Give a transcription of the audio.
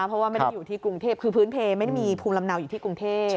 เพราะว่าไม่ได้อยู่ที่กรุงเทพคือพื้นเพลไม่ได้มีภูมิลำเนาอยู่ที่กรุงเทพ